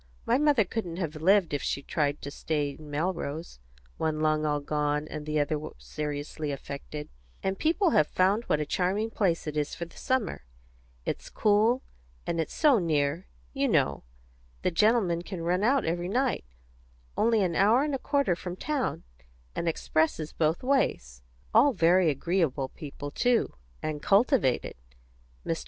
My mother couldn't have lived, if she had tried to stay in Melrose. One lung all gone, and the other seriously affected. And people have found out what a charming place it is for the summer. It's cool; and it's so near, you know; the gentlemen can run out every night only an hour and a quarter from town, and expresses both ways. All very agreeable people, too; and cultivated. Mr.